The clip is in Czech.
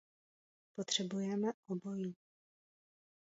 Potřebujeme obojí.